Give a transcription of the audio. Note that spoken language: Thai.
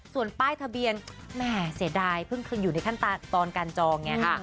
ส่วนป้ายทะเบียนแหม่เสียดายเพิ่งอยู่ในขั้นตอนการจองไง